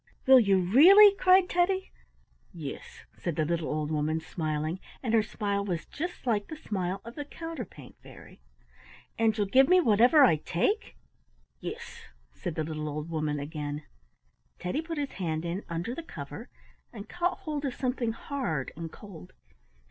'" "Will you really?" cried Teddy. "Yis," said the little old woman, smiling, and her smile was just like the smile of the Counterpane Fairy. "And you'll give me whatever I take?" "Yis," said the little old woman again. Teddy put his hand in under the cover and caught hold of something hard and cold.